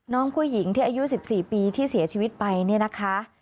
น้องผู้หญิงที่อายุ๑๔ปีที่เสียชีวิตไปเนี่ยนะคะ